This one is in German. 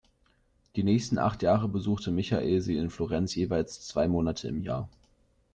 Die nächsten acht Jahre besuchte Michael sie in Florenz jeweils zwei Monate im Jahr.